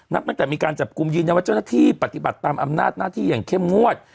ตั้งแต่มีการจับกลุ่มยืนยันว่าเจ้าหน้าที่ปฏิบัติตามอำนาจหน้าที่อย่างเข้มงวด